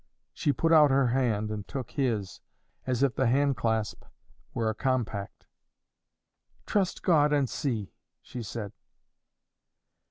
She put out her hand and took his, as if the hand clasp were a compact. "Trust God and see," she said.